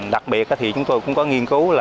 đặc biệt thì chúng tôi cũng có nghiên cứu